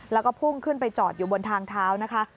แล้วก็พุ่งขึ้นไปจอดอยู่บนทางเท้านะคะ